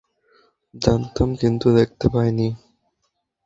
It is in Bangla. জানতাম, কিন্তু দেখতে পাইনি।